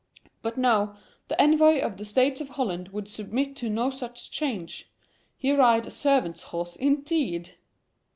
But no, the envoy of the States of Holland would submit to no such change. He ride a servant's horse, indeed!